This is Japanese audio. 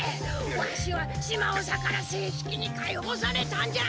ワシは島長から正式に解放されたんじゃ！